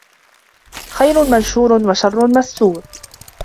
خَيْرٌ مَنْشُورٌ وَشَرٌّ مَسْتُورٌ